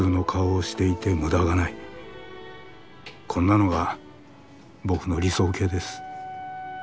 こんなのが僕の理想型です。